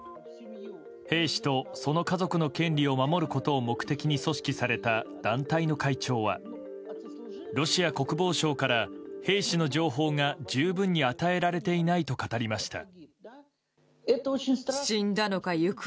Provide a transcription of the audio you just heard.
兵士とその家族の権利を守ることを目的に組織された団体の会長はロシア国防省から、兵士の情報が十分に与えられていないと語りました。